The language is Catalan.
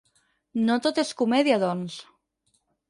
No tot és comèdia, doncs.